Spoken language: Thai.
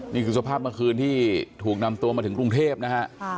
นี่คือสภาพเมื่อคืนที่ถูกนำตัวมาถึงกรุงเทพนะฮะ